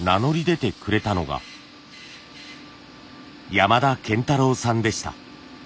山田健太郎さんでした。